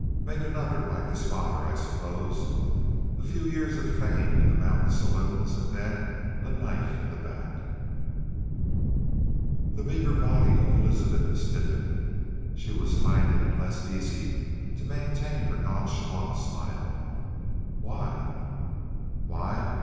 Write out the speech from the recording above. Make another like his father, I suppose. A few years of fame in the mountain saloons, and then a knife in the back." The meager body of Elizabeth stiffened. She was finding it less easy to maintain her nonchalant smile. "Why?" "Why?